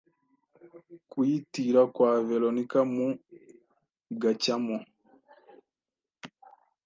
kuyitira kwa Veronika mu Gacyamo,